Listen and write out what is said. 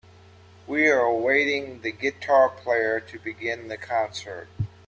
We were awaiting the guitar player to begin the concert.